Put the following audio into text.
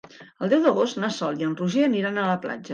El deu d'agost na Sol i en Roger aniran a la platja.